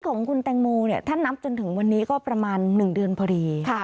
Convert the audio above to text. ของคุณแตงโมเนี่ยถ้านับจนถึงวันนี้ก็ประมาณ๑เดือนพอดี